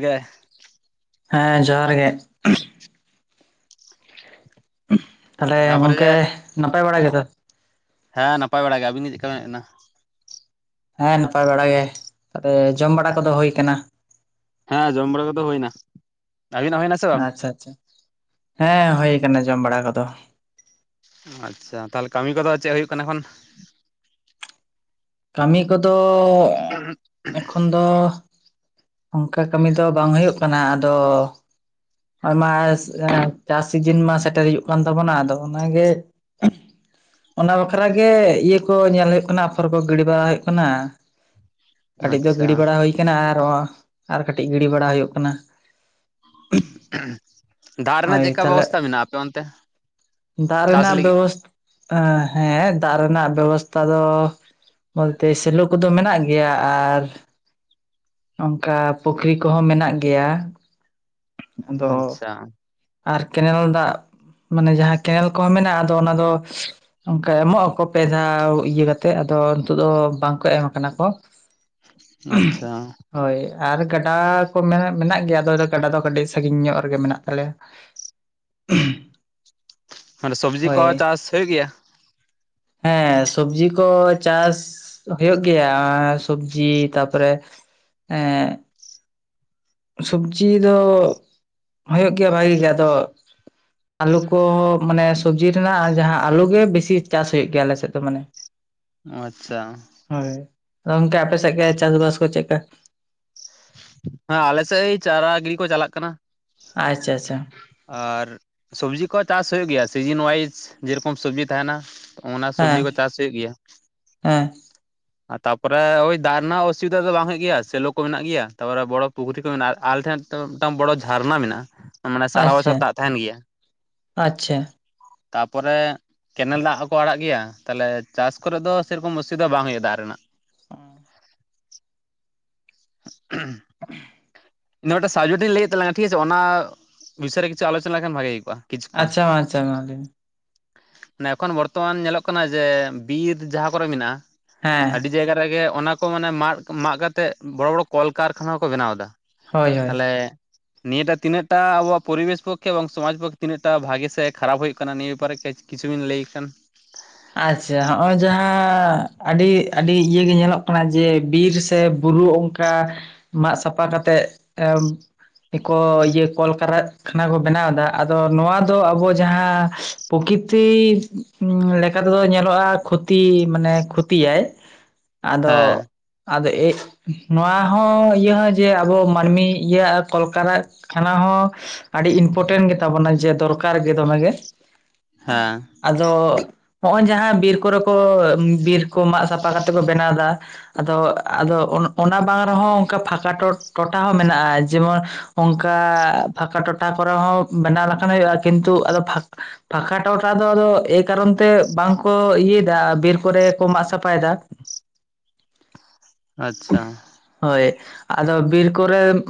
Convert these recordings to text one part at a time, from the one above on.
ᱜᱮ ᱦᱮᱸ ᱡᱚᱦᱟᱨ ᱜᱮ ᱛᱟᱦᱚᱞᱮ ᱛᱟᱯᱚᱨᱮ ᱡᱮ ᱜᱚᱝᱠᱮ ᱱᱟᱯᱟᱭ ᱵᱟᱲᱟ ᱜᱮᱛᱚ? ᱦᱮᱸ ᱱᱟᱯᱟᱭ ᱵᱟᱲᱟ ᱜᱮ ᱟᱵᱤᱱ ᱫᱚ ᱪᱮᱫ ᱞᱮᱠᱟ ᱢᱮᱱᱟᱜ ᱵᱮᱱᱟ? ᱦᱮᱸ ᱱᱟᱯᱟᱭ ᱵᱟᱲᱟ ᱜᱮ ᱛᱟᱦᱚᱞᱮ ᱡᱚᱢ ᱵᱟᱲᱟ ᱠᱚᱫᱚ ᱦᱳᱭ ᱟᱠᱟᱱᱟ ᱦᱮᱸ ᱡᱚᱢ ᱵᱟᱲᱟ ᱠᱚᱫᱚ ᱦᱩᱭᱱᱟ ᱵᱷᱤᱱᱟᱜ ᱦᱩᱭᱱᱟ ᱥᱮ ᱵᱟᱝ? ᱟᱪᱪᱷᱟ ᱟᱪᱪᱷᱟ ᱦᱮᱸ ᱦᱳᱭ ᱟᱠᱟᱱᱟ ᱡᱚᱢ ᱵᱟᱲᱟ ᱠᱚᱫᱚ ᱾ ᱟᱪᱪᱷᱟ ᱛᱟᱦᱚᱞᱮ ᱠᱟᱹᱢᱤ ᱠᱚᱫᱚ ᱪᱮᱫ ᱦᱩᱭᱩᱜ ᱠᱟᱱᱟ ᱮᱠᱷᱚᱱ? ᱠᱟᱹᱢᱤ ᱠᱚᱫᱚ ᱮᱠᱷᱚᱱ ᱫᱚ ᱚᱱᱠᱟ ᱠᱟᱹᱢᱤ ᱫᱚ ᱵᱟᱝ ᱦᱩᱭᱩᱜ ᱠᱟᱱᱟ ᱟᱫᱚ ᱟᱭᱢᱟ ᱪᱟᱥ ᱥᱤᱡᱤᱱ ᱢᱟ ᱥᱮᱴᱮᱨ ᱦᱩᱭᱩᱜ ᱠᱟᱱ ᱛᱟᱵᱚᱱᱟ ᱟᱫᱚ ᱚᱱᱟᱜᱮ ᱚᱱᱟ ᱵᱟᱠᱷᱨᱟ ᱜᱮ ᱤᱭᱟᱹ ᱠᱚ ᱧᱮᱞ ᱦᱩᱭᱩᱜ ᱠᱟᱱᱟ ᱯᱷᱚᱨ ᱜᱤᱲᱤ ᱵᱟᱲᱟ ᱦᱩᱭᱩᱜ ᱠᱟᱱᱟ ᱠᱟᱹᱴᱤᱡ ᱫᱚ ᱟᱪᱪᱷᱟ ᱜᱤᱲᱤ ᱵᱟᱲᱟ ᱦᱩᱭ ᱦᱳᱭ ᱠᱟᱱᱟ ᱟᱨ ᱟᱨ ᱠᱟᱹᱴᱤᱡ ᱜᱤᱰᱤᱤ ᱵᱟᱲᱟ ᱦᱩᱭᱩᱜ ᱠᱟᱱᱟ ᱾ ᱫᱟᱜ ᱨᱮᱱᱟᱜ ᱦᱳᱭ ᱪᱮᱫ ᱞᱮᱠᱟ ᱛᱟᱦᱚᱞᱮ ᱵᱮᱵᱚᱥᱛᱟ ᱢᱮᱱᱟᱜᱼᱟ ᱟᱯᱮ ᱚᱱᱛᱮ? ᱫᱟᱜ ᱪᱟᱥ ᱨᱮᱱᱟᱜ ᱞᱟᱹᱜᱤᱫ? ᱵᱮᱵᱚᱥ ᱦᱮᱸ ᱫᱟᱜ ᱨᱮᱱᱟᱜ ᱵᱮᱵᱚᱥᱛᱷᱟ ᱫᱚ ᱵᱚᱞᱛᱮ ᱥᱮᱞᱚ ᱠᱚᱫᱚ ᱢᱮᱱᱟᱜ ᱜᱮᱭᱟ ᱟᱨ ᱚᱱᱠᱟ ᱯᱩᱠᱷᱨᱤ ᱠᱚᱦᱚᱸ ᱢᱮᱱᱟᱜ ᱜᱮᱭᱟ ᱾ ᱟᱫᱚ ᱟᱪᱪᱷᱟ ᱟᱨ ᱠᱮᱱᱮᱞ ᱫᱟᱜ ᱢᱟᱱᱮ ᱡᱟᱦᱟᱸ ᱠᱮᱱᱮᱞ ᱠᱚᱦᱚᱸ ᱢᱮᱱᱟᱜᱼᱟ ᱟᱫᱚ ᱚᱱᱟ ᱫᱚ ᱚᱱᱠᱟ ᱮᱢᱚᱜ ᱟᱠᱚ ᱯᱮ ᱫᱷᱟᱣ ᱤᱭᱟᱹ ᱠᱟᱛᱮᱜ ᱟᱫᱚ ᱱᱤᱛᱚᱜ ᱫᱚ ᱵᱟᱝᱠᱚ ᱮᱢ ᱠᱟᱱᱟ ᱠᱚ ᱾ ᱟᱪᱪᱷᱟ ᱦᱳᱭ ᱟᱨ ᱜᱟᱰᱟ ᱠᱚ ᱢᱮᱱᱟᱜ ᱜᱮᱭᱟ ᱟᱫᱚ ᱜᱟᱰᱟ ᱫᱚ ᱠᱟᱹᱴᱤᱡ ᱥᱟᱺᱜᱤᱧ ᱧᱚᱜ ᱨᱮᱜᱮ ᱢᱮᱱᱟᱜ ᱛᱟᱞᱮᱭᱟ ᱾ [inaudible] ᱢᱟᱱᱮ ᱥᱚᱵᱽᱡᱤ ᱠᱚ ᱦᱳᱭ ᱪᱟᱥ ᱦᱩᱭᱩᱜ ᱜᱮᱭᱟ ᱦᱮᱸ ᱥᱚᱵᱡᱤ ᱠᱚ ᱪᱟᱥ ᱦᱩᱭᱩᱜ ᱜᱮᱭᱟ ᱥᱚᱵᱡᱤ ᱛᱟᱯᱚᱨᱮ ᱮᱸ ᱥᱚᱵᱡᱤ ᱫᱚ ᱦᱳᱭᱳᱜ ᱜᱮᱭᱟ ᱵᱷᱟᱜᱤ ᱜᱮᱭᱟ ᱟᱫᱚ ᱟᱞᱩ ᱠᱚ ᱢᱟᱱᱮ ᱥᱚᱵᱽᱡᱤ ᱨᱮᱱᱟᱜ ᱡᱟᱦᱟᱸ ᱟᱞᱩᱜ ᱜᱮ ᱵᱮᱥᱤ ᱪᱟᱥ ᱦᱩᱭᱩᱜᱭ ᱜᱮᱭᱟ ᱟᱞᱮᱥᱮᱫ ᱫᱚ ᱢᱟᱱᱮ [inaudible] ᱚ ᱟᱪᱪᱷᱟ ᱦᱳᱭ ᱜᱚᱝᱮ ᱟᱯᱮᱥᱮᱫ ᱜᱮ ᱪᱟᱥᱵᱟᱥ ᱠᱚ ᱪᱮᱫᱠᱟ ᱦᱮᱸ ᱟᱞᱮ ᱥᱮᱫ ᱳᱭ ᱪᱟᱨᱟ ᱜᱤᱨᱤ ᱠᱚ ᱪᱟᱞᱟᱜ ᱠᱟᱱᱟ ᱟᱪᱪᱷᱟ ᱟᱪᱪᱷᱟ ᱟᱨ ᱥᱚᱵᱡᱤ ᱠᱚᱦᱚᱸ ᱪᱟᱥ ᱦᱩᱭᱩᱜ ᱜᱮᱭᱟ ᱥᱤᱡᱤᱱ ᱳᱣᱟᱭᱤᱡ ᱡᱮᱨᱚᱠᱚᱢ ᱥᱚᱵᱡᱤ ᱛᱟᱦᱮᱱᱟ ᱚᱱᱟ ᱥᱚᱵᱡᱤ ᱦᱮᱸ ᱠᱚ ᱪᱟᱥ ᱦᱩᱭᱩᱜ ᱜᱮᱭᱟ ᱦᱮᱸ ᱟᱨ ᱛᱟᱯᱚᱨᱮ ᱳᱭ ᱫᱟᱜ ᱨᱮᱱᱟᱜ ᱚᱥᱩᱵᱤᱫᱟ ᱫᱚ ᱵᱟᱝ ᱦᱩᱭᱩᱜ ᱜᱮᱭᱟ ᱥᱮᱞᱚ ᱠᱚ ᱢᱮᱱᱟᱜ ᱜᱮᱭᱟ ᱛᱟᱯᱚᱨᱮ ᱵᱚᱲᱚ ᱯᱩᱠᱷᱨᱤ ᱠᱚ ᱢᱮᱱᱟᱜᱼᱟ ᱟᱞᱮ ᱴᱷᱮᱱ ᱛᱚ ᱢᱤᱫᱴᱟᱝ ᱵᱚᱲᱚ ᱡᱷᱟᱨᱱᱟ ᱢᱮᱱᱟᱜᱼᱟ ᱢᱟᱱᱮ ᱥᱟᱨᱟ ᱵᱚᱪᱷᱚᱨ ᱟᱪᱪᱷᱟ ᱫᱟᱜ ᱛᱟᱦᱮᱱ ᱜᱮᱭᱟ ᱟᱪᱪᱷᱟ ᱛᱟᱯᱚᱨᱮ ᱠᱮᱱᱮᱞ ᱫᱟᱜ ᱦᱚᱸ ᱠᱚ ᱟᱲᱟᱜ ᱜᱮᱭᱟ ᱛᱟᱦᱞᱮ ᱪᱟᱥ ᱠᱚᱨᱮ ᱫᱚ ᱥᱮᱨᱚᱠᱚᱢ ᱚᱥᱩᱵᱤᱫᱷᱟ ᱵᱟᱝ ᱦᱩᱭᱩᱜᱼᱟ ᱫᱟᱜ ᱨᱮᱱᱟᱜ ᱚᱸ ᱱᱚᱰᱮ ᱥᱟᱡᱚᱴᱤᱧ ᱞᱟᱹᱭᱮᱫ ᱛᱟᱞᱟᱝᱱᱟ ᱴᱷᱤᱠ ᱟᱪᱷᱮ ᱚᱱᱟ ᱵᱤᱥᱚᱭ ᱨᱮ ᱠᱤᱪᱷᱩ ᱟᱞᱪᱚᱱᱟ ᱞᱮᱱᱠᱷᱟᱱ ᱵᱷᱟᱜᱮ ᱦᱩᱭᱩᱠᱜᱼᱟ ᱟᱪᱪᱷᱟ ᱢᱟ ᱟᱪᱪᱷᱟ ᱢᱟ ᱞᱟᱹᱭ ᱢᱮ ᱮ ᱮᱠᱷᱚᱱ ᱵᱚᱨᱛᱚᱢᱟᱱ ᱧᱮᱞᱚᱜ ᱠᱟᱱᱟ ᱡᱮ ᱵᱤᱨ ᱡᱟᱦᱟᱸ ᱠᱚᱨᱮᱜ ᱢᱮᱱᱟᱜᱼᱟ ᱦᱮᱸ ᱟᱹᱰᱤ ᱡᱟᱭᱜᱟ ᱨᱮᱜᱮ ᱚᱱᱟ ᱠᱚ ᱢᱟᱱᱮ ᱢᱟᱜ ᱢᱟᱜ ᱠᱟᱛᱮ ᱵᱚᱲᱚ ᱵᱚᱲᱚ ᱠᱚᱞᱠᱟᱨᱠᱷᱟᱱᱟ ᱠᱚ ᱵᱮᱱᱟᱣ ᱮᱫᱟ ᱦᱳᱭ ᱦᱳᱭ ᱛᱟᱦᱚᱞᱮ ᱱᱤᱭᱟᱹᱴᱟ ᱛᱤᱱᱟᱹᱜᱴᱟ ᱟᱵᱚᱣᱟᱜ ᱯᱚᱨᱤᱵᱮᱥ ᱯᱚᱠᱠᱷᱮ ᱮᱚᱝ ᱥᱚᱢᱡᱽ ᱯᱚᱠᱠᱷᱮ ᱛᱤᱱᱟᱜᱴ ᱵᱷᱟᱜᱮ ᱥᱮ ᱠᱷᱟᱨᱟᱯ ᱦᱩᱭᱩᱜ ᱠᱟᱱᱟ ᱱᱤᱭᱟᱹ ᱵᱮᱯᱟᱨᱮ ᱠᱤᱪᱷᱩᱵᱤᱱ ᱞᱟᱹᱭ ᱠᱷᱟᱱ ᱟᱪᱪᱷᱟ ᱦᱚᱸᱜᱼᱚᱭ ᱡᱟᱦᱟᱸ ᱟᱹᱰᱤ ᱟᱹᱰᱤ ᱤᱭᱟᱹ ᱜᱮ ᱧᱮᱞᱚᱜ ᱠᱟᱱᱟ ᱡᱮ ᱵᱤᱨ ᱥᱮ ᱵᱩᱨᱩ ᱚᱱᱠᱟ ᱚᱱᱠᱟ ᱢᱟᱜ ᱥᱟᱯᱷᱟ ᱠᱟᱛᱮᱜ ᱮᱢ ᱠᱚ ᱤᱭᱟᱹ ᱠᱚᱞᱠᱟᱨᱟᱜᱠᱷᱟᱱᱟ ᱠᱚ ᱵᱮᱱᱟᱣᱫᱟ ᱟᱫᱚ ᱱᱚᱣᱟ ᱫᱚ ᱟᱵᱚ ᱡᱟᱦᱟᱸ ᱯᱨᱚᱠᱤᱛ ᱞᱮᱠᱟᱫᱚ ᱧᱮᱞᱚᱜᱼᱟ ᱠᱷᱚᱛᱤ ᱢᱟᱱᱮ ᱠᱷᱚᱛᱤᱭᱟᱭ ᱟᱫᱚ ᱦᱮᱸ ᱟᱫᱚ ᱮᱜ ᱱᱚᱣᱟ ᱦᱚᱸ ᱤᱭᱟᱹ ᱦᱚᱸ ᱡᱮ ᱟᱵᱚ ᱢᱟᱹᱱᱢᱤᱭᱟᱜ ᱠᱚᱞᱠᱟᱨᱟᱜ ᱼᱼ ᱠᱷᱟᱱᱟ ᱦᱚᱸ ᱟᱹᱰᱤ ᱤᱱᱯᱚᱴᱮᱱᱴ ᱜᱮᱛᱟ ᱵᱚᱱᱟ ᱡᱮ ᱫᱚᱨᱠᱟᱨ ᱜᱮ ᱫᱚᱢᱮ ᱜᱮ ᱦᱮᱸ ᱟᱫᱚ ᱦᱚᱜ ᱚᱭ ᱡᱟᱦᱟᱸ ᱵᱤᱨ ᱠᱚᱨᱮ ᱠᱚ ᱵᱤᱨ ᱠᱚ ᱢᱟᱜ ᱥᱟᱯᱷᱟ ᱠᱟᱛᱮᱜ ᱠᱚ ᱵᱮᱱᱟᱣ ᱫᱟ ᱟᱫᱚ ᱟᱫᱚ ᱚᱱᱟ ᱵᱟᱝ ᱨᱮᱦᱚᱸ ᱚᱱᱠᱟ ᱯᱷᱟᱸᱠᱟ ᱴᱚᱴᱷᱟ ᱦᱚᱸ ᱢᱮᱱᱟᱜᱼᱟ ᱡᱮᱢᱚᱱ ᱚᱱᱠᱟ ᱯᱷᱟᱠᱟ ᱴᱚᱴᱷᱟ ᱠᱚᱨᱮ ᱦᱚᱸ ᱵᱮᱱᱟᱣ ᱞᱮᱠᱷᱟᱱ ᱦᱩᱭᱩᱜᱼᱟ ᱠᱤᱱᱛᱩ ᱟᱫᱚ ᱯᱷᱟ ᱯᱷᱟᱠᱟ ᱴᱚᱴᱷᱟ ᱫᱚᱫᱚ ᱮᱭ ᱠᱟᱨᱚᱱ ᱛᱮ ᱵᱟᱝᱠᱚ ᱤᱭᱟᱹᱭᱮᱫᱟ ᱵᱤᱨ ᱠᱚᱨᱮ ᱠᱚ ᱢᱟᱜ ᱥᱟᱯᱷᱟᱭᱮᱫᱟ ᱟᱪᱪᱷᱟ ᱦᱳᱭ ᱟᱫᱚ ᱵᱤᱨ ᱠᱚᱨᱮ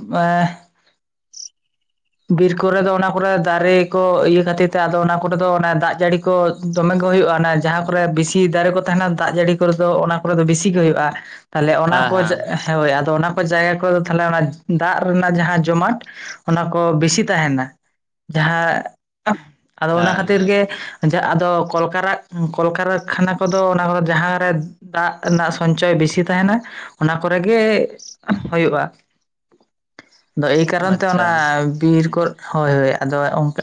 ᱵᱤᱨ ᱠᱚᱨᱮᱫᱚ ᱚᱱᱟ ᱠᱚᱨᱮ ᱫᱟᱨᱮ ᱠᱚ ᱤᱭᱟᱹ ᱠᱷᱟᱹᱛᱤᱨ ᱛᱮ ᱟᱫᱚ ᱚᱱᱟ ᱠᱚᱨᱮ ᱫᱚ ᱫᱟᱜ ᱡᱟᱹᱲᱤ ᱠᱚ ᱫᱚᱢᱮ ᱜᱮ ᱦᱩᱭᱩᱜᱼᱟ ᱡᱟᱦᱟᱸ ᱠᱚᱨᱮ ᱵᱮᱥᱤ ᱫᱟᱨᱮ ᱠᱚ ᱛᱟᱦᱮᱱᱟ ᱫᱟᱜ ᱡᱟᱹᱲᱤ ᱠᱚᱨᱮ ᱫᱚ ᱚᱱᱟ ᱠᱚᱨᱮ ᱫᱚ ᱵᱮᱥᱤ ᱜᱮ ᱦᱩᱭᱩᱜᱼᱟ ᱛᱟᱦᱚᱞᱮ ᱚᱱᱟ ᱦᱮᱸ ᱠᱚ ᱦᱮᱸ ᱦᱳᱭ ᱟᱫᱚ ᱚᱱᱟ ᱠᱚ ᱡᱟᱭᱜᱟ ᱠᱚ ᱛᱟᱦᱮ ᱚᱱᱟ ᱫᱟᱜ ᱨᱮᱱᱟᱜ ᱡᱟᱦᱟᱸ ᱡᱚᱢᱟᱴ ᱚᱱᱟ ᱠᱚ ᱵᱮᱥᱤ ᱛᱟᱦᱮᱱᱟ ᱡᱟᱦᱟᱸ ᱟᱫᱚ ᱚᱱᱟ ᱠᱷᱟᱹᱛᱤᱨ ᱦᱮᱸ ᱜᱮ ᱟᱫᱚ ᱠᱚᱞᱠᱟᱨᱟᱜ ᱠᱚᱞᱠᱟᱨᱠᱷᱟᱱᱟ ᱠᱚᱫᱚ ᱚᱱᱟ ᱠᱚᱫᱚ ᱡᱟᱦᱟᱸᱨᱮ ᱫᱟᱜ ᱨᱮᱱᱟᱜ ᱥᱚᱧᱪᱚᱭ ᱵᱮᱥᱤ ᱛᱟᱦᱮᱱᱟ ᱚᱱᱟ ᱠᱚᱨᱮᱜ ᱜᱮ ᱦᱩᱭᱩᱜᱼᱟ ᱟᱫᱚ ᱮᱭ ᱠᱟᱨᱚᱱ ᱛᱮ ᱟᱪᱪᱷᱟ ᱚᱱᱟ ᱵᱤᱨ ᱠᱚ ᱦᱳᱭ ᱦᱳᱭ ᱟᱫᱚ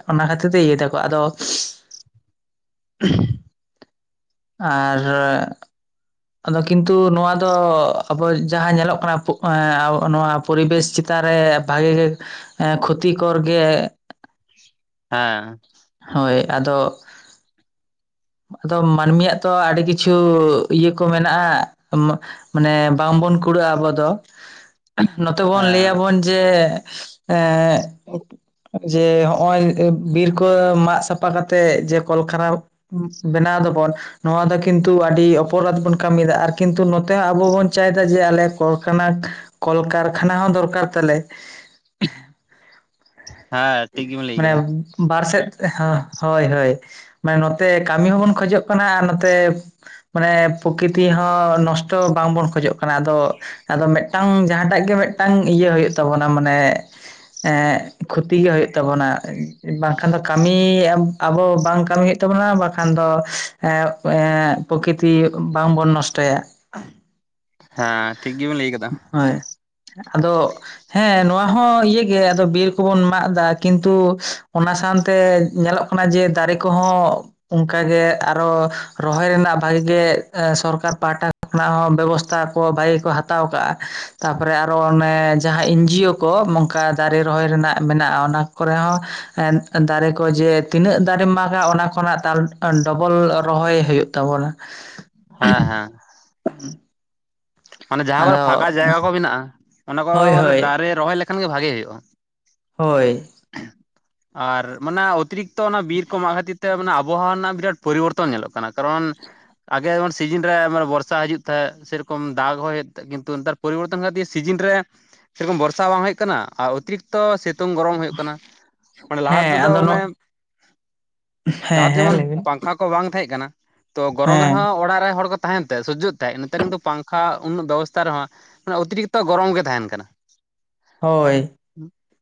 ᱚᱱᱟ ᱠᱷᱟᱹᱛᱤᱨ ᱛᱮ ᱤᱭᱟᱹᱭ ᱫᱟᱠᱚ ᱟᱫᱚ [inaudible] ᱟᱨ ᱟᱫᱚ ᱠᱤᱱᱛᱩ ᱱᱚᱣᱟ ᱫᱚ ᱟᱵᱚ ᱡᱟᱦᱟᱸ ᱧᱮᱞᱚᱜ ᱠᱟᱱᱟ ᱱᱚᱣᱟ ᱯᱚᱨᱤᱵᱮᱥ ᱪᱮᱛᱟᱱ ᱨᱮ ᱵᱷᱟᱜᱮ ᱜᱮ ᱠᱷᱚᱛᱤᱠᱚᱨ ᱜᱮ ᱦᱮᱸ ᱦᱳᱭ ᱟᱫᱚ ᱟᱫᱚ ᱢᱟᱹᱱᱢᱤᱭᱟᱜ ᱛᱚ ᱟᱹᱰᱤ ᱠᱤᱪᱷᱩ ᱤᱭᱟᱹ ᱠᱚ ᱢᱮᱱᱟᱜᱼᱟ ᱢᱟᱱᱮ ᱵᱟᱝᱵᱚᱱ ᱠᱩᱲᱟᱹᱜᱼᱟ ᱟᱵᱚ ᱫᱚ ᱱᱚᱛᱮ ᱵᱚᱱ ᱦᱮᱸ ᱞᱟᱹᱭᱟᱵᱚᱱ ᱡᱮ ᱮ ᱡᱮ ᱦᱚᱜᱼᱚᱭ ᱵᱤᱨ ᱠᱚ ᱢᱟᱜ ᱥᱟᱯᱷᱟ ᱠᱟᱛᱮᱜ ᱡᱮ ᱠᱚᱞᱠᱟᱨᱠᱷᱟᱱᱟ ᱵᱮᱱᱟᱣ ᱫᱟᱵᱚᱱ ᱱᱚᱣᱟ ᱫᱚ ᱠᱤᱱᱛᱩ ᱟᱹᱰᱤ ᱚᱯᱚᱨᱟᱫ ᱵᱚᱱ ᱠᱟᱹᱢᱤᱭᱟ ᱟᱨ ᱠᱤᱱᱛᱩ ᱱᱚᱛᱮ ᱦᱚᱸ ᱟᱵᱚ ᱵᱚᱱ ᱪᱟᱭ ᱡᱮ ᱟᱞᱮ ᱠᱚᱞᱠᱟᱨᱠᱷᱟᱱᱟ ᱠᱚᱞᱠᱟᱨᱠᱷᱟᱱᱟ ᱦᱚᱸ ᱫᱚᱨᱠᱟᱨ ᱛᱟᱞᱮ ᱦᱮᱸ ᱴᱷᱤᱠ ᱜᱮᱵᱮᱱ ᱞᱟᱹᱭ ᱢᱟᱱᱮ ᱠᱮᱫᱟ ᱵᱟᱨ ᱥᱮᱫ ᱦᱳᱭ ᱦᱳᱭ ᱢᱟᱱᱮ ᱱᱚᱛᱮ ᱠᱟᱹᱢᱤ ᱦᱚᱸᱵᱚᱱ ᱠᱷᱚᱡᱚᱜ ᱠᱟᱱᱟ ᱟᱨ ᱱᱚᱛᱮ ᱢᱟᱱᱮ ᱯᱨᱚᱠᱤᱛᱤ ᱦᱚᱸ ᱱᱚᱥᱴᱚ ᱵᱟᱝᱵᱚᱱ ᱠᱷᱚᱡᱚᱜ ᱠᱟᱱᱟ ᱟᱫᱚ ᱟᱫᱚ ᱢᱤᱫᱴᱟᱝ ᱡᱟᱦᱟᱸᱴᱟᱜ ᱜᱮ ᱢᱤᱫᱴᱟᱝ ᱤᱭᱟᱹ ᱦᱩᱭᱩᱜ ᱛᱟᱵᱚᱱᱟ ᱢᱟᱱᱮ ᱮᱸᱜ ᱠᱷᱚᱛᱤ ᱜᱮ ᱦᱩᱭᱩᱜ ᱛᱟᱵᱚᱱᱟ ᱵᱟᱝᱠᱷᱟᱱ ᱫᱚ ᱠᱟᱹᱢᱤ ᱟᱵᱚ ᱵᱟᱝ ᱠᱟᱹᱢᱤ ᱦᱩᱭᱩᱜ ᱛᱟᱵᱚᱱᱟ ᱵᱟᱝᱠᱷᱟᱱ ᱫᱚ ᱮᱜ ᱮᱸᱜᱻ ᱯᱨᱚᱠᱤᱛᱤ ᱵᱟᱝᱵᱚᱱ ᱱᱚᱥᱴᱚᱭᱟ ᱦᱮᱸ ᱴᱷᱤᱠ ᱜᱮᱵᱤᱱ ᱞᱟᱹᱭ ᱠᱟᱫᱟ ᱦᱳᱭ ᱟᱫᱚ ᱦᱮᱸ ᱱᱚᱣᱟ ᱦᱚᱸ ᱤᱭᱟᱹᱜᱮ ᱟᱫᱚ ᱵᱤᱨ ᱠᱚᱵᱚᱱ ᱢᱟᱜ ᱫᱟ ᱠᱤᱱᱛᱩ ᱚᱱᱟ ᱥᱟᱶᱛᱮ ᱧᱮᱞᱚᱜ ᱠᱟᱱᱟ ᱡᱮ ᱫᱟᱨᱮ ᱠᱚᱦᱚᱸ ᱚᱱᱠᱟᱜᱮ ᱟᱨᱚ ᱨᱚᱦᱚᱭ ᱨᱮᱱᱟᱜ ᱵᱷᱟᱜᱤ ᱜᱮ ᱥᱚᱨᱠᱟᱨ ᱯᱟᱦᱟᱴᱟ ᱚᱱᱟ ᱦᱚᱸ ᱵᱮᱵᱚᱥᱛᱷᱟ ᱠᱚ ᱵᱷᱟᱜᱤ ᱜᱮᱠᱚ ᱦᱟᱛᱟᱣ ᱠᱟᱜᱼᱟ ᱛᱟᱯᱚᱨᱮ ᱟᱨᱚ ᱚᱱᱮ ᱡᱟᱦᱟᱸ ᱮᱱ ᱡᱤ ᱭᱳ ᱠᱚ ᱱᱚᱝᱠᱟ ᱫᱟᱨᱮ ᱨᱚᱦᱚᱭ ᱨᱮᱱᱟᱜ ᱢᱮᱱᱟᱜᱼᱟ ᱚᱱᱟ ᱠᱚᱨᱮ ᱦᱚᱸ ᱫᱟᱨᱮ ᱠᱚ ᱡᱮ ᱛᱤᱱᱟᱹᱜ ᱫᱟᱨᱮᱢ ᱢᱟᱜᱟ ᱚᱱᱟ ᱠᱷᱚᱱᱟᱜ ᱛᱟᱞ ᱰᱚᱵᱚᱞ ᱨᱚᱦᱚᱭ ᱦᱩᱭᱩᱜ ᱛᱟᱵᱚᱱᱟ [inaudible] ᱦᱮᱸ ᱦᱮᱸ ᱢᱟᱱᱮ ᱡᱟᱦᱟᱸ ᱠᱚᱨᱮ ᱟᱫᱚ ᱯᱷᱟᱸᱠᱟ ᱡᱟᱭᱜᱟ ᱠᱚ ᱢᱮᱱᱟᱜᱼᱟ ᱚᱱᱟ ᱠᱚ ᱦᱳᱭ ᱦᱳᱭ ᱫᱟᱨᱮ ᱨᱚᱦᱚᱭ ᱞᱮᱠᱷᱟᱱ ᱜᱮ ᱵᱷᱟᱜᱮ ᱦᱩᱭᱩᱜᱼᱟ ᱦᱳᱭ ᱟᱨ ᱢᱟᱱᱮ ᱚᱛᱤᱨᱤᱠᱛᱚ ᱚᱱᱟ ᱵᱤᱨ ᱠᱚ ᱢᱟᱜ ᱠᱷᱟᱹᱛᱤᱨ ᱛᱮ ᱢᱟᱱᱮ ᱟᱵᱚᱦᱟᱣᱟ ᱨᱮᱱᱟᱜ ᱵᱤᱨᱟᱴ ᱯᱚᱨᱤᱵᱚᱨᱛᱚᱱ ᱧᱮᱞᱚᱜ ᱠᱟᱱᱟ ᱠᱟᱨᱚᱱ ᱟᱜᱮ ᱡᱮᱢᱚᱱ ᱥᱤᱡᱤᱱ ᱨᱮ ᱵᱚᱨᱥᱟ ᱦᱤᱡᱩᱜ ᱛᱟᱦᱮᱸ ᱥᱮᱨᱚᱠᱚᱢ ᱫᱟᱜᱽ ᱦᱚᱭᱮᱛ ᱛᱟᱦᱮᱱ ᱠᱤᱱᱛᱩ ᱯᱚᱨᱤᱵᱚᱨᱛᱚᱱ ᱠᱷᱟᱹᱛᱤᱨ ᱥᱤᱡᱤᱱ ᱨᱮ ᱥᱮᱨᱚᱠᱚᱢ ᱵᱷᱚᱨᱥᱟ ᱵᱟᱝ ᱦᱩᱭᱩᱜ ᱠᱟᱱᱟ ᱟᱨ ᱚᱛᱤᱨᱤᱠᱛᱚ ᱥᱮ ᱥᱤᱛᱳᱝ ᱜᱚᱨᱚᱢ ᱦᱳᱭᱳᱜ ᱠᱟᱱᱟ ᱢᱟᱱᱮ ᱞᱟᱦᱟ ᱦᱮᱸ ᱛᱮᱫᱚ ᱟᱫᱚ ᱢᱟᱱᱮ ᱞᱟᱦᱟ ᱦᱮᱸ ᱛᱮ ᱦᱮᱸ ᱡᱮᱢᱚᱱ ᱞᱟᱹᱭ ᱵᱤᱱ ᱯᱟᱝᱠᱷᱟ ᱵᱟᱝ ᱛᱟᱦᱮᱸ ᱠᱟᱱᱟ ᱛᱚ ᱜᱚᱨᱚᱢ ᱦᱮᱸ ᱨᱮᱦᱚᱸ ᱚᱲᱟᱜ ᱨᱮ ᱦᱚᱲ ᱠᱚ ᱛᱟᱦᱮᱱ ᱛᱟᱦᱮᱸ ᱥᱳᱡᱡᱳᱜ ᱛᱟᱦᱮᱸᱜ ᱱᱮᱛᱟᱨ ᱠᱤᱱᱛᱩ ᱯᱟᱝᱼ ᱠᱷᱟᱡ ᱩᱱᱟᱹᱜ ᱵᱮᱵᱚᱥᱛᱷᱟ ᱨᱮᱦᱚᱸ ᱚᱛᱤ ᱨᱤᱠᱛᱚ ᱜᱚᱨᱚᱢ ᱜᱮ ᱛᱟᱦᱮᱱ ᱠᱟᱱᱟ ᱦᱳᱭ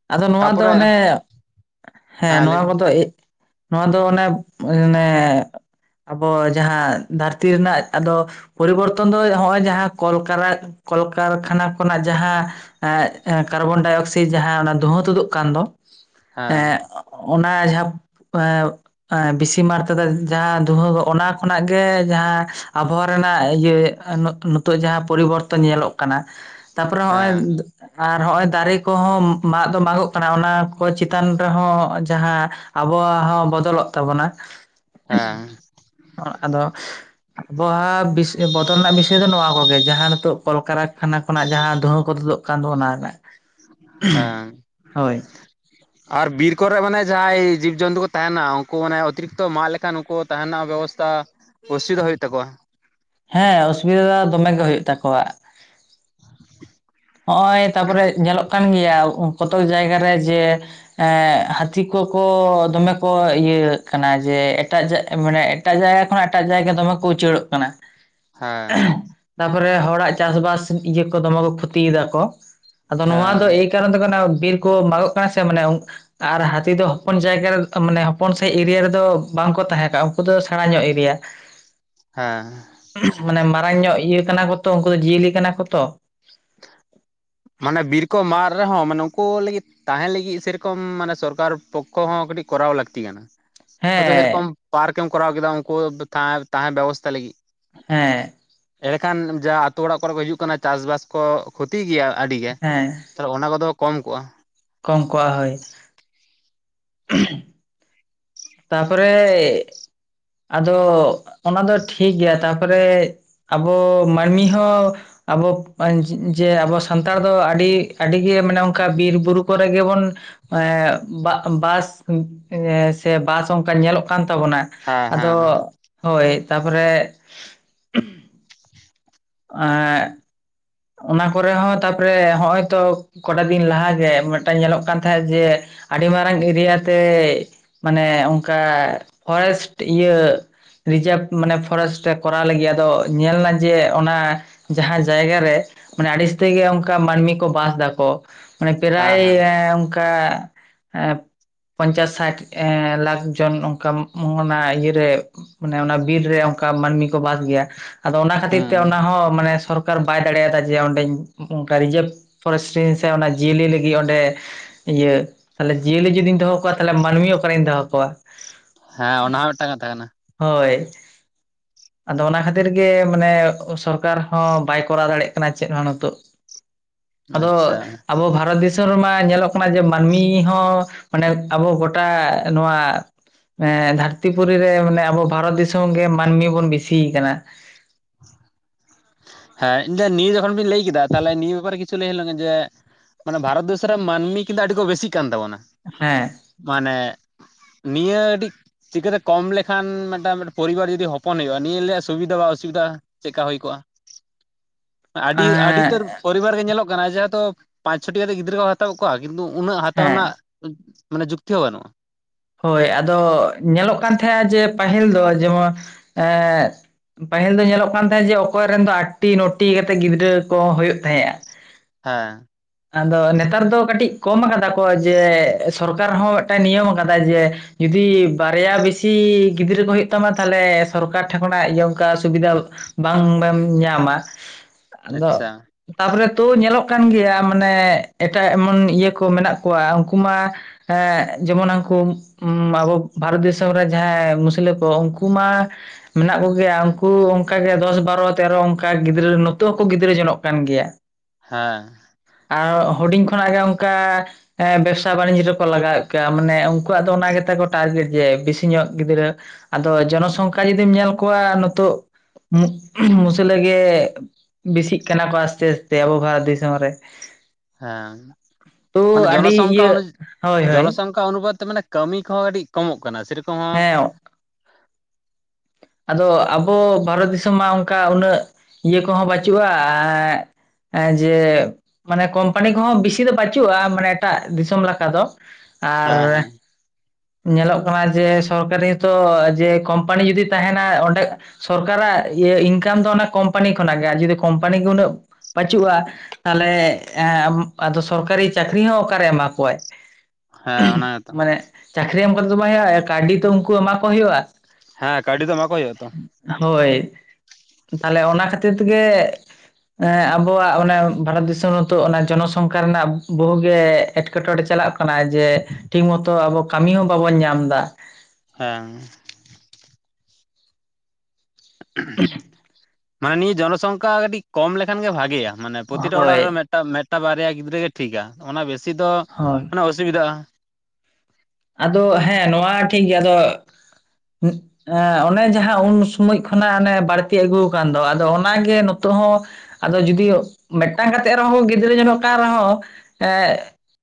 ᱟᱫᱚ ᱱᱚᱣᱟ ᱫᱚ ᱛᱟᱯᱚᱨᱮ ᱚᱱᱮ ᱦᱮᱸ ᱱᱚᱣᱟ ᱠᱚᱫᱚ ᱱᱚᱣᱟ ᱫᱚ ᱚᱱᱮ ᱚᱱᱮ ᱟᱵᱚ ᱡᱟᱦᱟᱸ ᱫᱷᱟᱹᱨᱛᱤ ᱨᱮᱱᱟᱜ ᱟᱫᱚ ᱯᱚᱨᱤ‌ᱵᱚᱨᱛᱚᱱ ᱫᱚ ᱱᱚᱜᱼᱚᱭ ᱡᱟᱸᱦᱟ ᱠᱚᱞᱠᱟᱨᱟᱼ ᱠᱚᱞᱠᱟᱨᱠᱷᱟᱱᱟ ᱠᱷᱚᱱᱟᱜ ᱡᱟᱸᱦᱟ ᱠᱟᱨᱵᱚᱱᱰᱟᱭ ᱚᱠᱥᱟᱭᱤᱰ ᱡᱟᱸᱦᱟ ‌ᱚᱱᱟ ᱫᱩᱸᱦᱟᱹ ᱛᱩᱫᱩᱜ ᱠᱟᱱ ᱫᱚ ᱦᱮᱸ ᱮᱸᱜ ᱚᱱᱟ ᱡᱟᱦᱟᱸ [unintelligible] ᱵᱤᱥᱤ ᱡᱟᱛᱨᱟ ᱫᱚ ᱡᱟᱦᱟᱸ ᱫᱷᱩᱶᱟᱹ ᱚᱱᱟ ᱠᱷᱚᱱᱟᱜ ᱜᱮ ᱡᱟᱦᱟᱸ ᱟᱵᱚᱦᱟᱣᱟ ᱨᱮᱱᱟᱜ ᱤᱭᱟᱹ ᱱᱤᱛᱚᱜ ᱡᱟᱸᱦᱟ ᱯᱚᱨᱤᱵᱚᱨᱛᱚᱱ ᱧᱮᱞᱚᱜ ᱠᱟᱱᱟ ᱛᱟᱯᱚᱨᱮ ᱦᱸᱚᱜᱼᱚᱭ ᱦᱮᱸ ᱟᱨ ᱦᱚᱸᱜᱼᱚᱭ ᱫᱟᱨᱮ ᱠᱚᱦᱚᱸ ᱢᱟᱜ ᱫᱚ ᱢᱟᱜᱚᱜ ᱠᱟᱱᱟ ᱚᱱᱟ ᱠᱚ ᱪᱮᱛᱟᱱ ᱨᱮᱦᱚᱸ ᱡᱟᱦᱟᱸ ᱟᱵᱚᱦᱟᱣᱟ ᱵᱚᱫᱚᱞᱚᱜ ᱛᱟᱵᱚᱱᱟ ᱦᱮᱸ ᱟᱫᱚ ᱟᱵᱚᱦᱟᱣᱟ ᱵᱚᱫᱚᱞ ᱨᱮᱱᱟᱜ ᱵᱤᱥᱚᱭ ᱫᱚ ᱱᱚᱣᱟ ᱠᱚᱜᱮ ᱡᱟᱸᱦᱟ ᱱᱤᱛᱚᱜ ᱠᱚᱞ ᱠᱟᱨᱟᱠᱷᱟᱱᱟ ᱠᱷᱚᱱᱟᱜ ᱡᱟᱸᱦᱟ ᱫᱩᱸᱦᱟᱹ ᱠᱚ [unintelligible] ᱠᱷᱟᱱ ᱫᱚ ᱚᱱᱟ ᱨᱮᱱᱟᱜ ᱦᱮᱸ [inaudible] ᱟᱨ ᱵᱤᱨ ᱠᱚᱨᱮ ᱢᱟᱱᱮ ᱡᱟᱦᱟᱸᱭ ᱡᱤᱵᱽᱼᱡᱚᱱᱛᱩ ᱠᱚ ᱛᱟᱦᱮᱱᱟ ᱩᱱᱠᱩ ᱢᱟᱱᱮ ᱚᱛᱤᱨᱤᱠᱛᱚ ᱢᱟᱜ ᱞᱮᱠᱷᱟᱱ ᱩᱱᱠᱩ ᱛᱟᱦᱮ ᱨᱮᱱᱟᱜ ᱵᱮᱵᱚᱥᱛᱷᱟ ᱚᱥᱩᱣᱤᱫᱷᱟ ᱦᱩᱭᱩᱜ ᱛᱟᱠᱚᱣᱟ ᱦᱮᱸ ᱚᱥᱩᱣᱤᱫᱟ ᱫᱚᱢᱮ ᱜᱮ ᱦᱩᱭᱩᱜ ᱛᱟᱠᱚᱣᱟ ᱦᱚᱜᱼ ᱚᱭ ᱛᱟᱯᱚᱨᱮ ᱧᱮᱞᱚᱜ ᱠᱟᱱ ᱜᱮᱭᱟ ᱠᱚᱛᱚᱠ ᱡᱟᱭᱜᱟ ᱨᱮ ᱡᱮ ᱦᱮᱸ.. ᱦᱟᱹᱛᱷᱤ ᱠᱚᱠᱚ ᱫᱚᱢᱮ ᱠᱚ ᱤᱭᱟᱹᱜ ᱠᱟᱱᱟ ᱡᱮ ᱮᱴᱟᱜ [unintelligible] ᱢᱟᱱᱮ ᱮᱴᱟᱜ ᱡᱟᱭᱜᱟ ᱠᱷᱚᱱ ᱮᱴᱟᱜ ᱡᱟᱭᱜᱟ ᱫᱚᱢᱮ ᱠᱚ ᱩᱪᱟᱹᱲᱚᱜ ᱠᱟᱱᱟ ᱦᱮᱸ [unintelligible] ᱛᱟᱯᱚᱨᱮ ᱦᱚᱲᱟᱜ ᱪᱟᱥ ᱵᱟᱥ ᱤᱭᱟᱹ ᱠᱚ ᱫᱚᱢᱮ ᱠᱚ ᱠᱷᱚᱛᱤ ᱮᱫᱟ ᱠᱳ ᱟᱫᱳ ᱱᱚᱣᱟ ᱦᱮᱸ ᱫᱚ ᱮᱭ ᱠᱟᱨᱚᱱ ᱛᱮ [unintelligible] ᱵᱤᱨ ᱠᱚ ᱢᱟᱜ ᱚᱜ ᱠᱟᱱᱟ ᱥᱮ ᱢᱟᱱᱮ ᱟᱨ ᱦᱟᱹᱛᱷᱤ ᱫᱚ ᱦᱚᱯᱚᱱ ᱡᱟᱭᱜᱟ ᱨᱮ ᱢᱟᱱᱮ ᱦᱚᱯᱚᱱ ᱥᱟᱦᱤᱡ ᱮᱨᱤᱭᱟ. ᱨᱮᱫᱚ ᱵᱟᱝᱠᱚ ᱛᱟᱦᱮᱸᱠᱚᱜᱼᱟ ᱩᱱᱠᱩ ᱫᱚ ᱥᱮᱬᱟ ᱧᱚᱜ ᱮᱨᱤᱭᱟ. ᱦᱮᱸ ᱢᱟᱱᱮ ᱢᱟᱨᱟᱝ ᱧᱚᱜ ᱤᱭᱟᱹ ᱠᱟᱱᱟ ᱠᱚ ᱛᱚ ᱩᱱᱠᱩ ᱫᱚ ᱡᱤᱭᱟᱹᱞᱤ ᱠᱟᱱᱟ ᱠᱚ ᱛᱚ ᱢᱟᱱᱮ ᱵᱤᱨ ᱠᱚ ᱢᱟᱜ ᱨᱮᱦᱚᱸ ᱢᱟᱱᱮ ᱩᱱᱠᱩ ᱞᱟᱹᱜᱤᱫ ᱛᱟᱦᱮᱸᱱ ᱞᱟᱹᱜᱤᱫ ᱥᱮ ᱨᱚᱠᱚᱢ ᱢᱟᱱᱮ ᱥᱚᱨᱠᱟᱨ ᱯᱚᱠᱚ ᱦᱚᱸ ᱠᱟᱹᱴᱤᱡ ᱠᱚᱨᱟᱣ ᱞᱟᱹᱠᱛᱤ ᱠᱟᱱᱟ ᱦᱚᱭ ᱛᱳ ᱦᱮ ᱦᱮᱸ ᱨᱚᱠᱚᱢ ᱯᱟᱨᱠ ᱮᱢ ᱠᱚᱨᱟᱣ ᱠᱮᱫᱟ ᱩᱱᱠᱩ ᱛᱟᱦᱮᱸ ᱛᱟᱦᱮᱸ ᱵᱮᱵᱚᱥᱛᱟ ᱞᱟᱹᱜᱤᱫ ᱦᱮᱸ... ᱮᱲᱮᱠᱷᱟᱱ ᱡᱟ ᱟᱛᱚ ᱚᱲᱟᱜ ᱠᱚᱨᱮ ᱠᱚ ᱦᱤᱡᱩᱜ ᱠᱟᱱᱟ ᱪᱟᱥ-ᱵᱟᱥ ᱠᱚ ᱠᱷᱚᱛᱤ ᱜᱤᱭᱟ ᱟᱹᱰᱤ ᱜᱮ ᱦᱮᱸ [unintelligible] ᱚᱱᱟ ᱠᱚᱫᱚ ᱠᱚᱢ ᱠᱚᱜᱼᱟ ᱠᱚᱢ ᱠᱚᱜ-ᱟ ᱦᱳᱭ [inaudible] ᱛᱟᱯᱚᱨᱮ ᱟᱫᱚ ᱚᱱᱟ ᱫᱚ ᱴᱷᱤᱠ ᱜᱮᱭᱟ ᱛᱟᱯᱚ ᱨᱮ ᱟᱵᱚ ᱢᱟᱹᱱᱢᱤ ᱦᱚᱸ ᱟᱵᱚ ᱵᱟᱱᱡ... ᱡᱮ ᱟᱵᱚ ᱥᱟᱱᱛᱟᱲ ᱫᱚ ᱟᱹᱰᱤ ᱟᱹᱰᱤ ᱜᱮ ᱢᱟᱱᱮ ᱚᱱᱠᱟ ᱵᱤᱨ ᱵᱩᱨᱩ ᱠᱚᱨᱮ ᱜᱮᱵᱚᱱ [unintelligible] ᱵᱟᱜ ᱵᱟᱥ [unintelligible] ᱛᱮ ᱵᱟᱥ ᱚᱱᱠᱟ ᱧᱮᱞᱚᱜ ᱠᱟᱱ ᱛᱟᱵᱚᱱᱟ ᱦᱮᱸ ᱟᱫᱚ ᱦᱮᱸ ᱦᱳᱭ ᱛᱟᱯᱚᱨᱮ ᱟᱸᱭ....... ᱚᱱᱟ ᱠᱚᱨᱮ ᱦᱚᱸ ᱛᱟᱯᱚᱨᱮ ᱦᱚᱜᱼᱚᱭ ᱛᱚ ᱠᱚᱴᱟ ᱫᱤᱱ ᱞᱟᱦᱟ ᱜᱮ ᱢᱮᱫ ᱴᱟᱝ ᱧᱮᱞᱚᱜ ᱠᱟᱱ ᱛᱟᱦᱮᱸᱫ ᱡᱮ ᱟᱹᱰᱤ ᱢᱟᱨᱟᱝ ᱮᱨᱤᱭᱟ. ᱛᱮ ᱢᱟᱱᱮ ᱚᱱᱠᱟ ᱯᱷᱚᱨᱮᱥᱴ ᱤᱭᱟᱹ ᱨᱤᱡᱟᱨᱵᱷ ᱢᱟᱱᱮ ᱯᱷᱚᱨᱮᱥᱴ ᱮ ᱠᱚᱨᱟᱣ ᱞᱟᱹᱜᱤᱫ ᱟᱫᱚ ᱧᱮᱞ ᱮᱱᱟ ᱡᱮ ᱚᱱᱟ ᱡᱟᱦᱟᱸ ᱡᱟᱭᱜᱟ ᱨᱮ ᱢᱟᱱᱮ ᱟᱺᱲᱤᱥ ᱛᱮ ᱜᱮ ᱚᱱᱠᱟ ᱢᱟᱹᱱᱢᱤ ᱠᱚ ᱵᱟᱥ ᱫᱟ ᱠᱚ ᱢᱟᱱᱮ ᱦᱮᱸ ᱯᱨᱟᱭ [unintelligible] ᱦᱮᱸ [unintelligible] ᱯᱚᱧᱪᱟᱥ ᱥᱟᱭᱴ ᱮᱸ.. ᱞᱟᱠᱷ ᱡᱚᱱ ᱚᱱᱠᱟᱢ ᱚᱱᱟ ᱤᱭᱟᱹ ᱨᱮ ᱢᱟᱱᱮ ᱚᱱᱟ ᱵᱤᱨ ᱨᱮ ᱚᱱᱠᱟ ᱢᱟᱹᱱᱢᱤ ᱠᱚ ᱵᱟᱥ ᱜᱮᱭᱟ ᱟᱫᱚ ᱚᱱᱟ ᱠᱷᱟᱹᱛᱤᱨ ᱛᱮ ᱦᱩᱸ ᱚᱱᱟ ᱦᱚᱸ ᱢᱟᱱᱮ ᱥᱚᱨᱠᱟᱨ ᱵᱟᱭ ᱫᱟᱲᱮ ᱭᱟᱫᱟ ᱡᱮ ᱚᱸᱰᱮᱧ ᱨᱤᱡᱟ. ᱨᱵᱷ ᱯᱷᱚᱨᱮᱥᱴ ᱥᱮ ᱚᱱᱟ ᱡᱤᱭᱟᱹᱞᱤ ᱞᱟᱹᱜᱤᱫ ᱚᱸᱰᱮ ᱤᱭᱟᱹ ᱛᱟᱦᱞᱮ ᱡᱤᱭᱟᱹᱞᱤ ᱡᱩᱫᱤᱧ ᱫᱚᱦᱚ ᱠᱚᱣᱟ ᱛᱟᱦᱚᱞᱮ ᱢᱟᱹᱱᱢᱤ ᱚᱠᱟᱨᱮᱧ ᱫᱚᱦᱚ ᱠᱚᱣᱟ ᱦᱮᱸ ᱚᱱᱟ ᱦᱚᱸ ᱢᱤᱫᱴᱟᱝ ᱠᱟᱛᱷᱟ ᱠᱟᱱᱟ ᱦᱳᱭ ᱟᱫᱚ ᱚᱱᱟ ᱠᱷᱟᱹᱛᱤᱨ ᱜᱮ ᱢᱟᱱᱮ ᱥᱚᱨᱠᱟᱨ ᱦᱚᱸ ᱵᱟᱭ ᱠᱚᱨᱟᱣ ᱫᱟᱲᱮᱜ ᱠᱟᱱᱟᱭ ᱪᱮᱫ ᱦᱚᱸ ᱱᱩᱛᱩᱜ ᱟᱫᱚ ᱟᱪᱪᱷᱟ ᱟᱵᱚ ᱵᱷᱟᱨᱚᱛ ᱫᱤᱥ..... ᱪᱷᱚᱨ ᱨᱮᱢᱟᱭ ᱧᱮᱞᱚᱜ ᱠᱟᱱᱟ ᱡᱮ ᱢᱟᱹᱱᱢᱤ ᱦᱚᱸ ᱢᱟᱱᱮ ᱟᱵᱚ ᱜᱚᱴᱟ ᱱᱚᱣᱟ ᱦᱮᱸ ᱫᱷᱟᱹᱨᱛᱤ ᱯᱩᱨᱤ ᱨᱮ ᱢᱟᱱᱮ ᱟᱵᱚ ᱵᱷᱟᱨᱚᱛ ᱫᱤᱥᱚᱢ ᱜᱮ ᱢᱟᱹᱱᱢᱤ ᱵᱚᱱ ᱵᱤᱥᱤ ᱟᱠᱟᱱᱟ ᱦᱮᱸ ᱤᱱᱟ. ᱱᱤᱭᱩ ᱡᱚᱠᱷᱚᱱ ᱵᱤᱱ ᱞᱟᱹᱭ ᱠᱮᱫᱟ ᱛᱟᱦᱚᱞᱮ ᱱᱤᱭᱩ ᱵᱮᱯᱟᱨ ᱜᱤ [unintelligible] ᱡᱮ ᱢᱟᱱᱮ ᱵᱷᱟᱨᱚᱛ ᱫᱮᱥ ᱨᱮ ᱢᱟᱹᱱᱢᱤ ᱠᱤ ᱫᱟ ᱟᱹᱰᱤ ᱠᱚ ᱵᱮᱥᱤᱜ ᱠᱟᱱ ᱛᱟᱵᱚᱱᱟ ᱦᱮᱸ.... ᱢᱟᱱᱮ ᱱᱤᱭᱟᱹ ᱟᱹᱰᱤ ᱪᱤᱠᱟᱹᱛᱮ ᱠᱚᱢ ᱞᱮᱠᱷᱟᱱ ᱢᱤᱫᱴᱟᱝ ᱯᱚᱨᱤᱵᱟᱨ ᱡᱩᱫᱤ ᱦᱚᱯᱚᱱ ᱦᱩᱭᱩᱜᱼᱟ᱾ ᱱᱤᱭᱟᱹ ᱨᱮᱭᱟᱜ ᱥᱩᱵᱤᱫᱟ ᱵᱟ ᱚᱥᱩᱵᱤᱫᱟ ᱪᱤᱠᱟ ᱦᱩᱭ ᱠᱚᱜ-ᱟ᱾ ᱟᱹᱰᱤ ᱟᱹᱰᱤ ᱮᱸ ᱩᱛᱟᱹᱨ ᱯᱚᱨᱤᱵᱟᱨ ᱜᱮ ᱧᱮᱞᱚᱜ ᱠᱟᱱᱟ ᱡᱮᱦᱮᱛᱩ ᱯᱟᱸᱪ ᱪᱷᱚ ᱴᱤᱜ ᱠᱟᱛᱮ ᱜᱤᱫᱽᱨᱟᱹ ᱠᱚ ᱣᱟᱛ.... ᱦᱟᱛᱟᱣᱮᱫ ᱠᱚᱣᱟ ᱠᱤᱱᱛᱩ ᱩᱱᱟᱹᱜ ᱦᱟᱛᱟᱣ ᱦᱮᱸ ᱨᱮᱱᱟᱜ ᱢᱟᱱᱮ ᱡᱩᱠᱛᱤ ᱦᱚᱸ ᱵᱟᱹᱱᱩᱜ-ᱟ᱾ ᱦᱳᱭ ᱟᱫᱚ ᱧᱮᱞᱚᱜ ᱠᱟᱱ ᱛᱟᱦᱮᱸᱱᱟ ᱡᱮ ᱯᱟᱹᱦᱤᱞ ᱫᱚ ᱡᱮᱢᱚᱱ ᱮᱻ ᱯᱟᱹᱦᱤᱞ ᱫᱚ ᱧᱮᱞᱚᱜ ᱠᱟᱱ ᱛᱟᱦᱮᱸᱫ ᱡᱮ ᱚᱠᱚᱭ ᱨᱮᱱ ᱫᱚ ᱟᱴᱴᱤ ᱱᱚᱴᱤ ᱠᱟᱛᱮᱫ ᱜᱤᱫᱽᱨᱟᱹ ᱠᱚ ᱦᱩᱭᱩᱜ ᱛᱟᱦᱮᱸᱜ-ᱟ᱾ [unintelligible] ᱦᱮᱸ ᱟᱫᱚ ᱱᱮᱛᱟᱨ ᱫᱚ ᱠᱟᱹᱴᱤᱡ ᱠᱚᱢ ᱠᱟᱫᱟ ᱠᱚ ᱡᱮ ᱥᱚᱨᱠᱟᱨ ᱦᱚᱸ ᱢᱤᱫᱴᱟᱝ ᱱᱤᱭᱚᱢ ᱠᱟᱫᱟᱭ ᱡᱮ ᱡᱩᱫᱤ ᱵᱟᱨᱭᱟ ᱵᱮᱥᱤ ᱜᱤᱫᱽᱨᱟᱹ ᱠᱚ ᱦᱩᱭᱩᱜ ᱛᱟᱢᱟ ᱛᱟᱦᱚᱞᱮ ᱥᱚᱨᱠᱟᱨ ᱴᱷᱟ ᱠᱷᱚᱱᱟᱜ ᱚᱱᱠᱟ ᱥᱩᱵᱤᱫᱷᱟ ᱵᱟᱝ ᱰᱟᱢ ᱧᱟᱢ-ᱟ᱾ ᱟᱫᱚ ᱟᱪᱪᱷᱟ ᱛᱟᱯᱨᱮ ᱛᱩ ᱧᱮᱞᱚᱜ ᱠᱟᱱ ᱜᱮᱭᱟ ᱢᱟᱱᱮ ᱮᱴᱟᱜ ᱮᱢᱚᱱ ᱤᱭᱟᱹ ᱠᱚ ᱢᱮᱱᱟᱜ ᱠᱚᱣᱟ ᱩᱱᱠᱩ ᱢᱟᱹ ᱮᱸᱜ ᱡᱮᱢᱚᱱ ᱠᱩᱢ ᱟᱵᱚ ᱵᱷᱟᱨᱚᱛ ᱫᱤᱥᱚᱢ ᱨᱮ ᱡᱟᱦᱟᱸᱭ ᱢᱩᱥᱞᱟ ᱠᱚ ᱩᱱᱠᱩ ᱢᱟᱹ ᱢᱮᱱᱟᱜ ᱠᱚᱜᱮᱭᱟ ᱩᱱᱠᱩ ᱚᱱᱠᱟ ᱜᱮ ᱫᱚᱥ ᱵᱟᱨᱚ ᱛᱮᱨᱚ ᱚᱱᱠᱟ ᱜᱤᱫᱽᱨᱟᱹ ᱱᱤᱛᱚᱜ ᱦᱚᱸᱠᱚ ᱜᱤᱫᱽᱨᱟᱹ ᱡᱚᱱᱚᱜ ᱠᱟᱱ ᱜᱮᱭᱟ᱾ [unintelligible] ᱦᱮᱸ ᱟᱨ ᱦᱩᱰᱤᱧ ᱠᱷᱚᱱᱟᱜ ᱜᱮ ᱚᱱᱠᱟ ᱵᱮᱵᱽᱥᱟ ᱵᱟᱱᱤᱡᱽ ᱨᱮᱠᱚ ᱞᱟᱜᱟᱣᱮᱫ ᱠᱚᱣᱟ ᱢᱟᱱᱮ ᱩᱱᱠᱩᱣᱟᱜ ᱫᱚ ᱚᱱᱟ ᱜᱮ ᱛᱮᱠᱚ ᱴᱟᱨᱜᱮᱴ ᱡᱮ ᱵᱮᱥᱤ ᱧᱚᱜ ᱜᱤᱫᱽᱨᱟᱹ ᱟᱫᱚ ᱡᱚᱱᱚᱥᱚᱝᱠᱷᱟ ᱡᱩᱫᱤᱢ ᱧᱮᱞ ᱠᱚᱣᱟ ᱱᱚᱛᱚᱜ ᱢᱩᱥᱟᱹᱞᱟᱹ ᱜᱮ ᱵᱮᱥᱤᱜ ᱠᱟᱱᱟ ᱠᱚ ᱟᱥᱛᱮ ᱟᱥᱛᱮ ᱟᱵᱚ ᱵᱷᱟᱨᱚᱛ ᱫᱤᱥᱚᱢ ᱨᱮ᱾ ᱦᱮᱸ ᱛᱚ ᱟᱹᱰᱤ ᱤᱭᱟᱹ ᱦᱳᱭ ᱦᱳᱭ᱾ ᱚᱱᱠᱟ ᱩᱱᱩᱵᱟᱫ ᱛᱮ ᱢᱟᱱᱮ ᱠᱟᱹᱢᱤ ᱠᱚᱦᱚᱸ ᱟᱹᱰᱤ ᱠᱚᱢᱚᱜ ᱠᱟᱱᱟ ᱥᱮᱨᱚᱠᱚᱢ ᱦᱚᱸ᱾ ᱦᱮᱸ ᱟᱫᱚ ᱟᱵᱚ ᱵᱷᱟᱨᱚᱛ ᱫᱤᱥᱚᱢ ᱢᱟ ᱚᱱᱠᱟ ᱩᱱᱟᱹᱜ ᱤᱭᱟᱹ ᱠᱚᱦᱚᱸ ᱵᱟᱹᱪᱷᱩᱜ-ᱟᱻ ᱮ ᱡᱮ ᱢᱟᱱᱮ ᱠᱳᱢᱯᱟᱱᱤ ᱠᱚᱦᱚᱸ ᱵᱮᱥᱤ ᱫᱚ ᱵᱟᱹᱪᱩᱜᱼᱟ ᱢᱟᱱᱮ ᱮᱴᱟᱜ ᱫᱤᱥᱚᱢ ᱞᱮᱠᱟ ᱫᱚ᱾ ᱟᱨ ᱦᱮᱸ ᱦᱮᱸ ᱧᱮᱞᱚᱜ ᱠᱟᱱᱟ ᱡᱮ ᱥᱚᱨᱠᱟᱨᱤ ᱱᱤᱛᱚᱜ ᱡᱮ ᱠᱳᱢᱯᱟᱱᱤ ᱡᱩᱫᱤ ᱛᱟᱦᱮᱱᱟ ᱚᱸᱰᱮ ᱥᱚᱨᱠᱟᱨ ᱟᱜ ᱤᱱᱠᱟᱢ ᱫᱚ ᱚᱱᱟ ᱠᱳᱢᱯᱟᱱᱤ ᱠᱷᱚᱱᱟᱜ ᱜᱮ ᱟᱨ ᱡᱩᱫᱤ ᱠᱳᱢᱯᱟᱱᱤ ᱜᱮ ᱩᱱᱟᱹᱜ ᱯᱟᱪᱩᱜ-ᱟ ᱛᱟᱦᱟᱞᱮ ᱮᱻ ᱟᱫᱚ ᱥᱚᱨᱠᱟᱨᱤ ᱪᱟᱹᱠᱨᱤ ᱦᱚᱸ ᱚᱠᱟᱨᱮ ᱮᱢᱟ ᱠᱚᱣᱟᱭ᱾ ᱦᱮᱸ ᱚᱱᱟ ᱜᱮᱛᱚ ᱢᱟᱱᱮ ᱪᱟᱹᱠᱨᱤ ᱮᱢ ᱠᱟᱛᱮ ᱫᱚ ᱵᱟᱝ ᱦᱩᱭᱩᱜᱼᱟ ᱠᱟᱹᱣᱰᱤ ᱛᱚ ᱩᱱᱠᱩ ᱮᱢᱟ ᱠᱚ ᱦᱩᱭᱩᱜᱼᱟ᱾ ᱦᱮᱸ ᱠᱟᱹᱣᱰᱤ ᱫᱚ ᱮᱢᱟᱠᱚ ᱦᱩᱭᱩᱜ-ᱟ ᱛᱚ᱾ ᱦᱳᱭ ᱯᱟᱞᱮ ᱚᱱᱟ ᱠᱷᱟᱹᱛᱤᱨ ᱛᱮ ᱜᱮ ᱟᱵᱚᱣᱟᱜ ᱚᱱᱮ ᱵᱷᱟᱨᱚᱛ ᱫᱤᱥᱚᱢ ᱱᱤᱛᱚᱜ ᱚᱱᱟ ᱡᱚᱱᱚᱥᱚᱝᱠᱷᱟ ᱨᱮᱱᱟᱜ ᱵᱚᱦᱩᱜ ᱜᱮ ᱮᱸᱴᱠᱮᱴᱚᱬᱮ ᱪᱟᱞᱟᱜ ᱠᱟᱱᱟ ᱡᱮ ᱴᱷᱤᱠ ᱢᱚᱛᱚ ᱟᱵᱚ ᱠᱟᱹᱢᱤ ᱦᱚᱸ ᱵᱟᱵᱚᱱ ᱧᱟᱢ ᱮᱫᱟᱹ᱾ ᱦᱮᱸ ᱢᱟᱱᱮ ᱱᱤᱭᱟᱹ ᱡᱚᱱᱚᱥᱚᱝᱠᱷᱟ ᱠᱟᱹᱴᱤᱡ ᱠᱚᱢ ᱞᱮᱠᱷᱟᱱ ᱜᱮ ᱵᱷᱟᱜᱮᱭᱟ ᱢᱟᱱᱮ ᱯᱨᱚᱛᱤᱴᱟ ᱚᱲᱟᱜ ᱦᱳᱭ ᱨᱮ ᱢᱮᱫᱴᱟᱝ ᱵᱟᱨᱭᱟ ᱜᱤᱫᱽᱨᱟᱹ ᱜᱮ ᱴᱷᱤᱠᱟᱹ ᱚᱱᱟ ᱵᱮᱥᱤ ᱫᱚ ᱦᱳᱭ ᱢᱟᱱᱮ ᱚᱥᱩᱵᱤᱫᱟᱜ-ᱟ᱾ ᱟᱫᱚ ᱦᱮᱸ ᱱᱚᱣᱟ ᱴᱷᱤᱠᱜᱮᱭᱟ ᱟᱫᱚ ᱮᱸ ᱚᱱᱮ ᱡᱟᱦᱟᱸ ᱩᱱ ᱥᱚᱢᱚᱭ ᱠᱷᱚᱱᱟᱜ ᱚᱱᱮ ᱵᱟᱹᱲᱛᱤ ᱟᱹᱜᱩᱣ ᱠᱟᱱ ᱫᱚ ᱟᱫᱚ ᱚᱱᱟᱜᱮ ᱱᱚᱛᱚᱜ ᱦᱚᱸ ᱟᱫᱚ ᱡᱩᱫᱤ ᱢᱤᱫᱴᱟᱝ ᱠᱟᱛᱮᱜ ᱨᱮᱦᱚᱸ ᱜᱤᱫᱽᱨᱟᱹ ᱡᱚᱱᱚᱜ ᱠᱟᱱ ᱨᱮᱦᱚᱸ ᱮᱸ